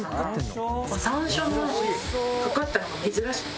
山椒のかかったのが珍しくて。